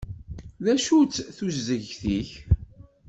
Acu-tt tuzegt-ik?